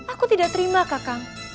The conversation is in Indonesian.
aku tidak terima kakang